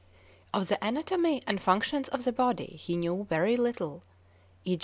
Of the anatomy and functions of the body he knew very little,—e.